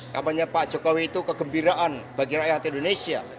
kampanye pak jokowi itu kegembiraan bagi rakyat indonesia